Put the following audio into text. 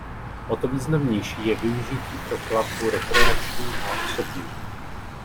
O to významnější je využití pro plavbu rekreační a osobní.